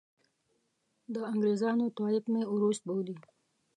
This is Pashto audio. د انګریزانو طایفه مې اوروس بولي.